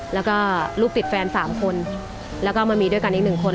แล้วก็ลูกติดแฟน๓คนแล้วก็มามีด้วยกันอีก๑คน